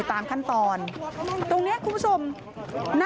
โชว์บ้านในพื้นที่เขารู้สึกยังไงกับเรื่องที่เกิดขึ้น